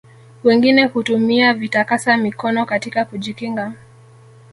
wengine hutumia vitakasa mikono katika kujikinga